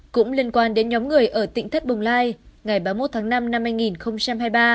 cũng liên quan đến nhóm người ở tỉnh thất bồng lai ngày ba mươi một tháng năm năm hai nghìn hai mươi ba